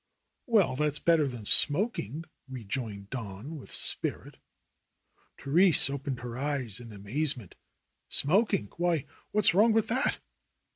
"Well, that's better than smoking," rejoined Don with spirit. Therese opened her eyes in amazement. "Smoking! Why, what's wrong with that